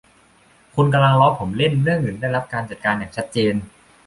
คุณกำลังล้อผมเล่น เรื่องอื่นได้รับการจัดการอย่างชัดเจน